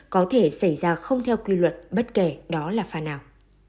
có thể xảy ra không theo quy luật bất kể đó là phà nào